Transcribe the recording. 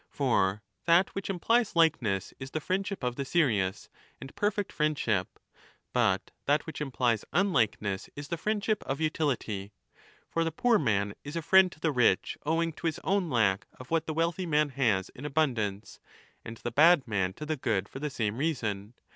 For that which implies likeness is the friendship of the serious, and perfect friendship ; but that which implies unlikeness is the friend 10 ship of utility. For the poor man is a friend to the rich owing to his own lack of what the wealthy man has in abundance, and the bad man to the good for the same reason.